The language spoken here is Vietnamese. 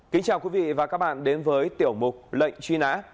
kính chào quý vị và các bạn đến với tiểu mục lệnh truy nã